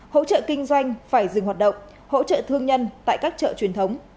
hỗ trợ kinh doanh phải dừng hoạt động hỗ trợ thương nhân tại các chợ truyền thống